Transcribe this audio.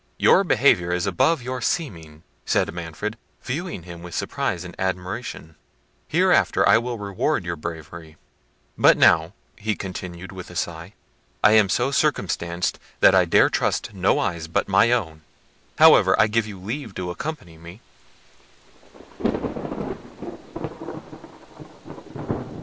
"Your behaviour is above your seeming," said Manfred, viewing him with surprise and admiration—"hereafter I will reward your bravery—but now," continued he with a sigh, "I am so circumstanced, that I dare trust no eyes but my own. However, I give you leave to accompany me."